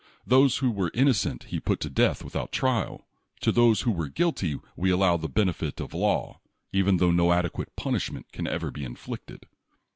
Those who were innocent he put to death without trial. To those who are guilty we allow the benefit of law, even tho no adequate punishment can ever be inflicted.